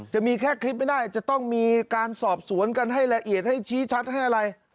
จะมีแค่คลิปไม่ได้จะต้องมีการสอบสวนกันให้ละเอียดให้ชี้ชัดให้อะไร